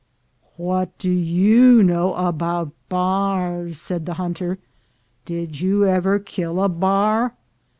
"What do you know about bars?" said the hunter, "Did you ever kill a bar?"